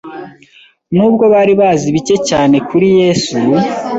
nubwo bari bazi bike cyane kuri Yesu,